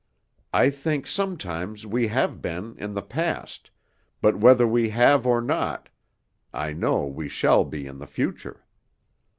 I think sometimes we have been, in the past, but whether we have or not, I know we shall be in the future.